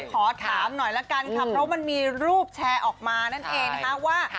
ขอถามหน่อยละกันค่ะเพราะมันมีรูปแชร์ออกมานั่นเองนะคะว่า